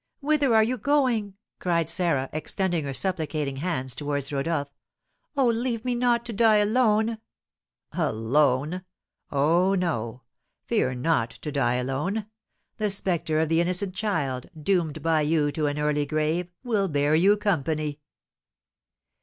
"Whither are you going?" cried Sarah, extending her supplicating hands towards Rodolph. "Oh, leave me not to die alone " "Alone? Oh, no! Fear not to die alone! The spectre of the innocent child, doomed by you to an early grave, will bear you company."